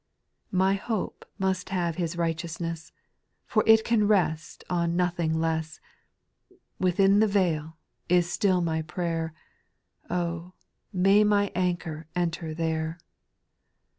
4. My hope must have His righteousness, For it can rest on nothing less ; Within the vail, — ^is still my prayer, Oh ! may my anchor enter there.